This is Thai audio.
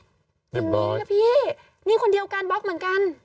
เด็บหลอยถือแบบนี้นะพี่นี่คนเดียวกันบล็อกเหมือนกัน